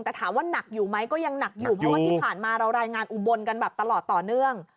แต่ถามว่าหนักอยู่ไหมก็ยังหนักอยู่เพราะว่าที่ผ่านมาเรารายงานอุบลกันแบบตลอดต่อเนื่อง